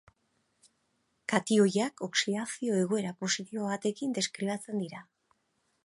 Katioiak, oxidazio egoera positibo batekin deskribatzen dira.